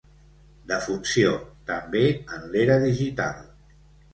Defunció, també en l'era digital.